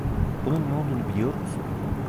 Bunun ne olduğunu biliyor musun?